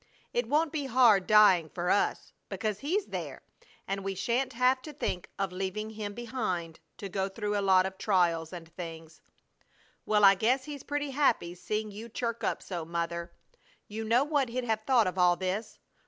It won't be hard dying, for us, because he's there, and we sha'n't have to think of leaving him behind to go through a lot of trials and things." "Well, I guess he's pretty happy seeing you chirk up so, Mother. You know what he'd have thought of all this!